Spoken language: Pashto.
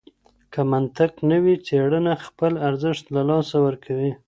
که منطق نه وي څېړنه خپل ارزښت له لاسه ورکوي.